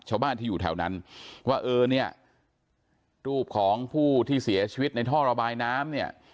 ชาวบ้านที่อยู่แถวนั้นว่าเออเนี่ยรูปของผู้ที่เสียชีวิตในท่อระบายน้ำเนี่ย